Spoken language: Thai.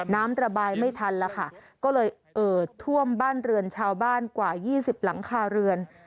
น้ำระบายไม่ทันแล้วค่ะก็เลยเอิดท่วมบ้านเรือนชาวบ้านกว่า๒๐หลังคาเรือน